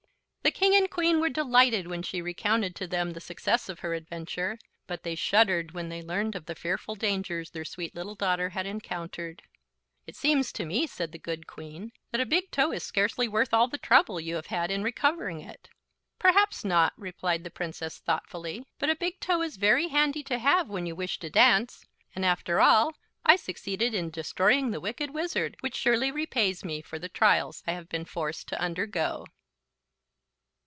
The King and Queen were delighted when she recounted to them the success of her adventure, but they shuddered when they learned of the fearful dangers their sweet little daughter had encountered. "It seems to me," said the good Queen, "that a big toe is scarcely worth all the trouble you have had in recovering it." "Perhaps not," replied the Princess, thoughtfully; "but a big toe is very handy to have when you wish to dance; and, after all, I succeeded in destroying the Wicked Wizard, which surely repays me for the trials I have been forced to undergo."